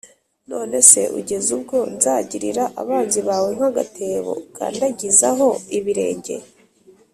None se ugeze ubwo nzagirira abanzi bawe nk’agatebe ukandagizaho ibirenge